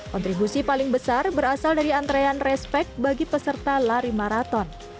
kontribusi paling besar berasal dari antrean respect bagi peserta lari maraton